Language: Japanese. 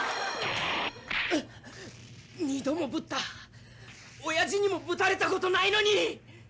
「二度もぶった」「親父にもぶたれたことないのに！」